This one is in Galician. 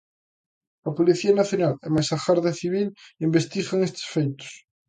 A Policía Nacional e mais a Garda Civil investigan estes feitos.